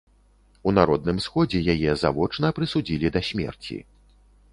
У народным сходзе яе завочна прысудзілі да смерці.